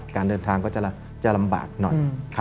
การเดินทางก็จะลำบากหน่อย